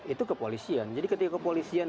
itu kepolisian jadi ketika kepolisian